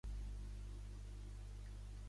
Vaig al carrer de Martin Luther King.